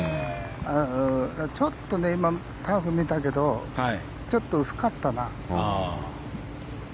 ちょっと、ターフを見たけどちょっと薄かったな。